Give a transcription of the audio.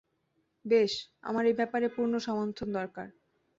বেশ, আমার এই ব্যাপারে পূর্ণ সমর্থন দরকার।